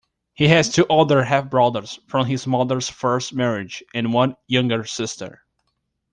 He has two older half-brothers from his mother's first marriage and one younger sister.